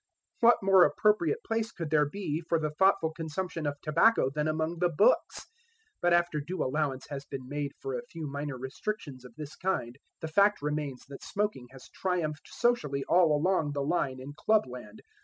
What more appropriate place could there be for the thoughtful consumption of tobacco than among the books? But after due allowance has been made for a few minor restrictions of this kind, the fact remains that smoking has triumphed socially all along the line in Clubland.